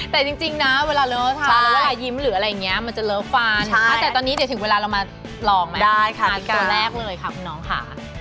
แต่จริงนะคราวเมลอง้องเทาเวลายิ้มหรืออะไรเงี้ยมันจะเล่อฟ้านถ้าจากตอนนี้ถึงเวลาจะมาลองไหมแนะตัวกันตัวแรกเลยค่ะคุณน้องค่ะ